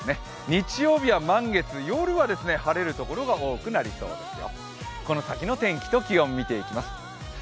日曜日は満月、夜は晴れるところが多くなりそうですよ。